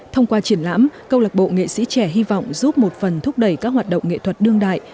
thông qua triển lãm câu lạc bộ nghệ sĩ trẻ hy vọng giúp một phần thúc đẩy các hoạt động nghệ thuật đương đại